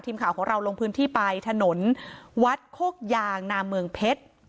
ทีมข่าวของเราลงพื้นที่ไปถนนวัดโคกยางนาเมืองเพชร